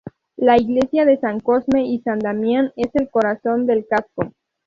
La iglesia de San Cosme y San Damián es el corazón del casco.